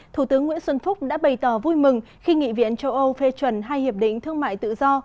thủ tướng nguyễn xuân phúc đã bày tỏ vui mừng khi nghị viện châu âu phê chuẩn hai hiệp định thương mại tự do